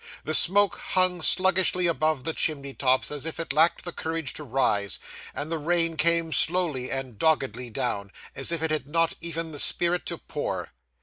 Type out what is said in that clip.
The smoke hung sluggishly above the chimney tops as if it lacked the courage to rise, and the rain came slowly and doggedly down, as if it had not even the spirit to pour.